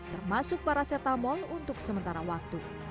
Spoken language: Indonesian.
termasuk paracetamol untuk sementara waktu